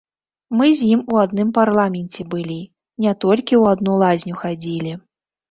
Мы з ім у адным парламенце былі, не толькі ў адну лазню хадзілі.